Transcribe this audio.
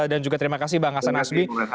dan juga terima kasih bang hasan asmi